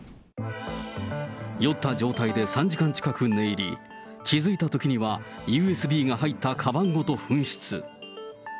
酔った状態で３時間近く寝入り、気付いたときには、ＵＳＢが入ったかばんごと紛失。